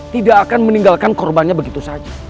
tidak akan meninggalkan korbannya begitu saja